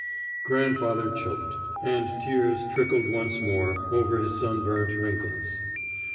Grandfather choked, and tears trickled once more over his sunburnt wrinkles.